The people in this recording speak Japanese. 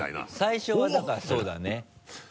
最初はだからそうだね。